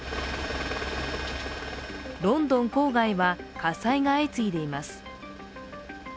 ロンドン郊外は、火災が相次いでいます。